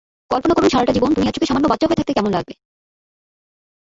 কল্পনা করুন সারাটা জীবন, দুনিয়ার চোখে সামান্য বাচ্চা হয়ে থাকতে কেমন লাগবে।